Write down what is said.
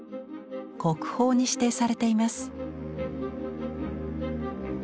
国宝に指定されています。